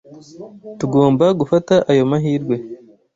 Tugomba gufata ayo mahirwe.